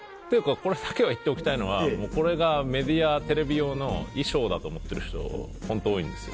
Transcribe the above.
これだけは言っておきたいのはこれがメディアテレビ用の衣装だと思ってる人ホント多いんですよ。